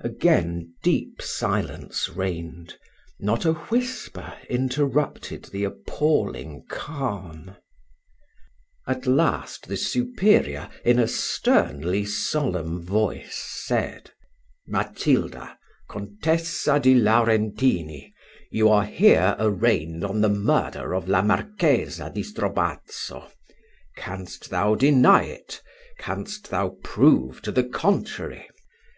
Again deep silence reigned not a whisper interrupted the appalling calm. At last the superior, in a sternly solemn voice, said "Matilda Contessa di Laurentini, you are here arraigned on the murder of La Marchesa di Strobazzo: canst thou deny it? canst thou prove to the contrary?